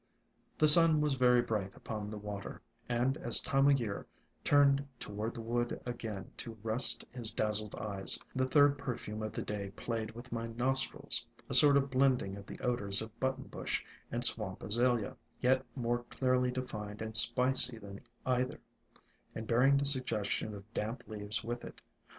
The sun was very bright upon the water, and ALONG THE WATERWAYS 51 as Time o' Year turned toward the wood again to rest his dazzled eyes, the third perfume of the day played with my nostrils, — a sort of blending of the odors of Button bush and Swamp Azalea, yet more clearly defined and spicy than either, and bearing the suggestion of damp leaves with it.